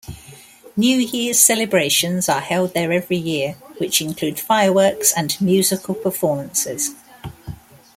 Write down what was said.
New Year's celebrations are held there every year which include fireworks and musical performances.